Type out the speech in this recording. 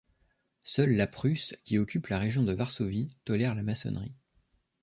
Seule la Prusse, qui occupe la région de Varsovie, tolère la maçonnerie.